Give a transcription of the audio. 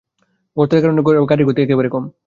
গর্তের কারণে গাড়ির গতি একেবারে কম।